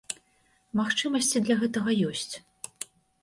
Магчымасці для гэтага ёсць.